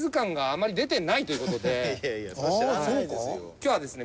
今日はですね